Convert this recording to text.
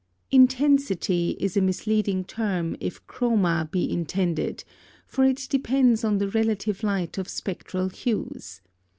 "Intensity" is a misleading term, if chroma be intended, for it depends on the relative light of spectral hues.